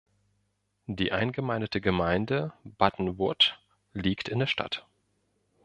Die eingemeindete Gemeinde Buttonwood liegt in der Stadt.